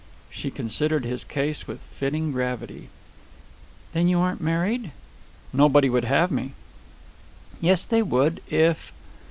She considered his case with fitting gravity. "Then you aren't married?" "Nobody would have me." "Yes, they would, if